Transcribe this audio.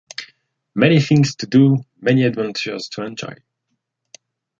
Many things to do and many adventures to enjoy.